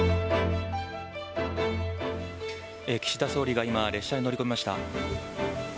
岸田総理が今、列車に乗り込みました。